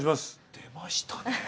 出ましたね。